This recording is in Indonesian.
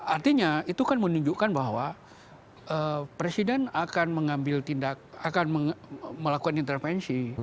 artinya itu kan menunjukkan bahwa presiden akan melakukan intervensi